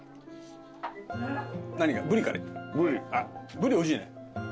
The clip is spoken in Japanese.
ブリおいしい。